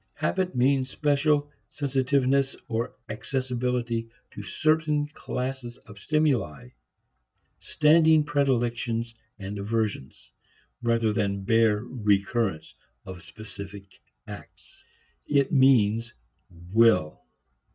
Habit means special sensitiveness or accessibility to certain classes of stimuli, standing predilections and aversions, rather than bare recurrence of specific acts. It means will.